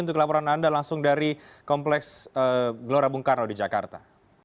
untuk laporan anda langsung dari kompleks gelora bung karno di jakarta